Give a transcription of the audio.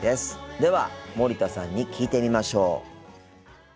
では森田さんに聞いてみましょう。